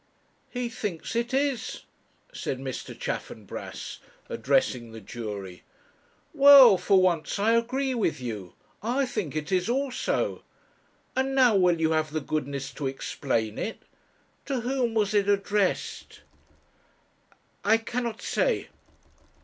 'He thinks it is, said Mr. Chaffanbrass, addressing the jury. 'Well, for once I agree with you. I think it is also and how will you have the goodness to explain it. To whom was it addressed?' 'I cannot say.'